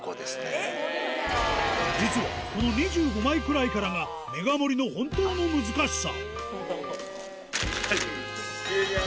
実はこの２５枚くらいからがめが盛りの本当の難しさ